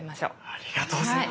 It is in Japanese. ありがとうございます。